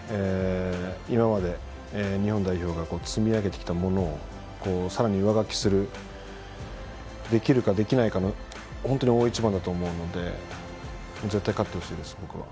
今まで、日本代表が積み上げてきたものをさらに上書きするできるかできないかの本当に大一番だと思うので絶対に勝ってほしいです、僕は。